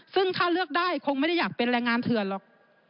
ซึ่งถ้าเลือกได้คงไม่ได้อยากเป็นแรงงานเถื่อนหรอก